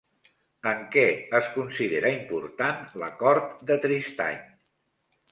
En què es considera important l'acord de Tristany?